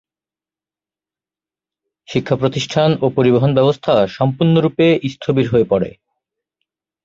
শিক্ষাপ্রতিষ্ঠান ও পরিবহন ব্যবস্থা সম্পূর্ণরূপে স্থবির হয়ে পড়ে।